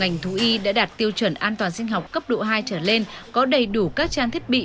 ngành thú y đã đạt tiêu chuẩn an toàn sinh học cấp độ hai trở lên có đầy đủ các trang thiết bị